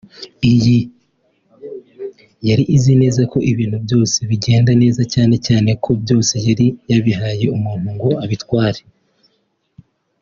yari izi neza ko ibintu byose bizagenda neza cyane cyane ko byose yari yabihaye umuntu ngo abitware (abitegeke)